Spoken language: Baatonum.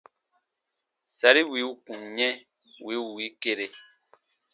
Sari wì u kun yɛ̃ wì u wii kere.